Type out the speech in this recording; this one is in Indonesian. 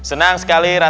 enak banget ya